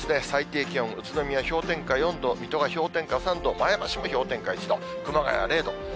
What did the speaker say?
最低気温、宇都宮氷点下４度、水戸が氷点下３度、前橋も氷点下１度、熊谷は０度。